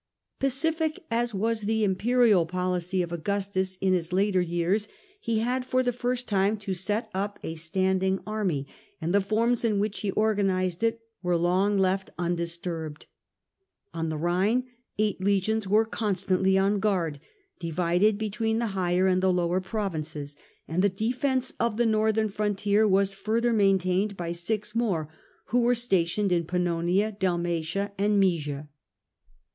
Pacific as was the imperial policy of Augustus in his later years, he had for the first time set up a standing The stand army, and the forms in which he organized it ing army of were long left undisturbed. On the Rhine an/Sbe^Sa eight legions were constantly on guard, di ieg?on^Md vided between the higher and the lower pro fleets. vinces, and the defence of the northern frontier was further maintained by six more, who were stationed in Pannonia, Dalmatia, and Maesia.